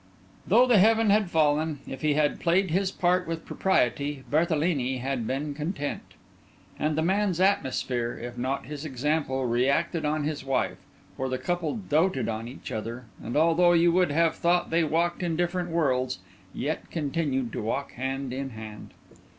Though the heaven had fallen, if he had played his part with propriety, Berthelini had been content! And the man's atmosphere, if not his example, reacted on his wife; for the couple doated on each other, and although you would have thought they walked in different worlds, yet continued to walk hand in hand.